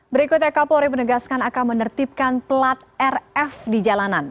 berikutnya kapolri menegaskan akan menertibkan pelat rf di jalanan